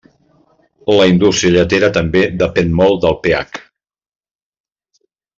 La indústria lletera també depèn molt del pH.